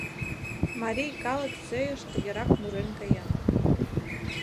Марий калык сӧйыш тыгерак мурен каен: